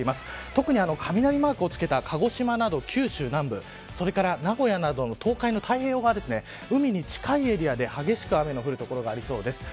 特に雷マークをつけた鹿児島など九州南部それから名古屋などの東海の太平洋側、海に近いエリアで激しく雨の降る所がありそうです。